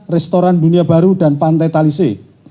restoran dunia baru dan pantai talise